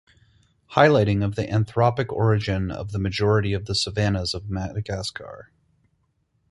Highlighting of the anthropic origin of the majority of the savannas of Madagascar.